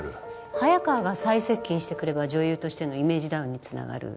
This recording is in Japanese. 早川が再接近してくれば女優としてのイメージダウンにつながる。